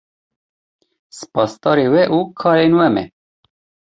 Spasdarê we û karên we me.